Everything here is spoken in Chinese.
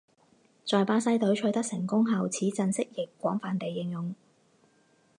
在巴西队取得成功后此阵式亦广泛地应用。